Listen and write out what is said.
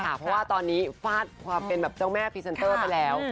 เพราะว่าตอนนี้ฟาดความเป็นแบบเจ้าแม่พรีเซนเตอร์ไปแล้ว